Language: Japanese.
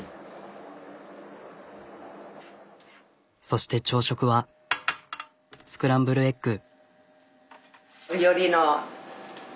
そして朝食はスクランブルエッグ。